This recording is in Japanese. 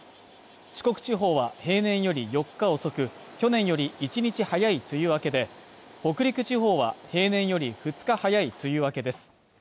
四国地方は平年より４日遅く、去年より１日早い梅雨明けで北陸地方は平年より２日早い梅雨明けです。